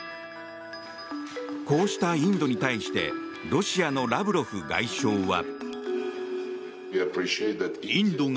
こうしたインドに対してロシアのラブロフ外相は。